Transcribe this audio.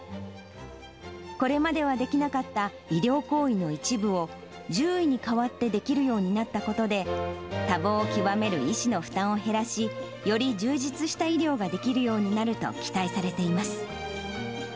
これまではできなかった医療行為の一部を、獣医に代わってできるようになったことで、多忙を極める医師の負担を減らし、より充実した医療ができるようになると期待されています。